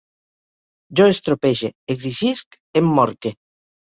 Jo estropege, exigisc, emmorque